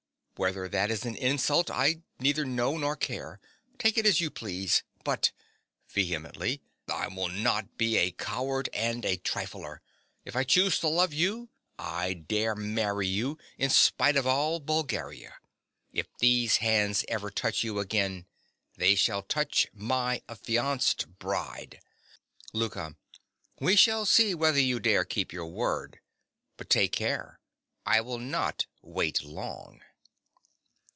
Whether that is an insult I neither know nor care: take it as you please. But (vehemently) I will not be a coward and a trifler. If I choose to love you, I dare marry you, in spite of all Bulgaria. If these hands ever touch you again, they shall touch my affianced bride. LOUKA. We shall see whether you dare keep your word. But take care. I will not wait long.